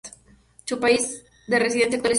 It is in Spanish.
Su país de residencia actual es Suiza.